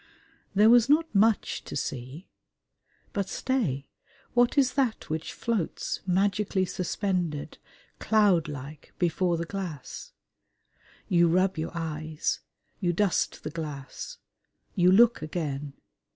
There was not much to see. But stay! What is that which floats, magically suspended, cloudlike, before the glass? You rub your eyes: you dust the glass: you look again.